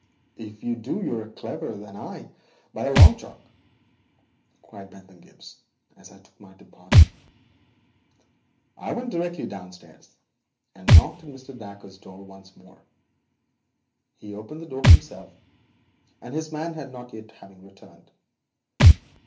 'If you do you are cleverer than I by a long chalk,' cried Bentham Gibbes as I took my departure. I went directly downstairs, and knocked at Mr. Dacre's door once more. He opened the door himself, his man not yet having returned.